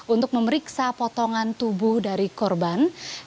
untuk memeriksa potongan tubuh dari korban